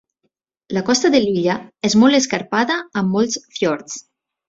La costa de l'illa és molt escarpada amb molts fiords.